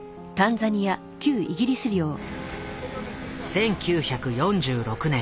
１９４６年。